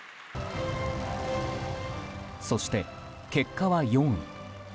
そして、結果は４位。